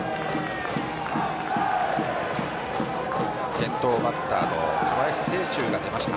先頭バッターの小林聖周が出ました。